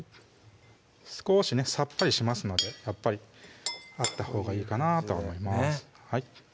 少しねさっぱりしますのでやっぱりあったほうがいいかなと思います